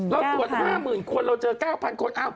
เราตรวจ๕๐๐๐คนเราเจอ๙๐๐คน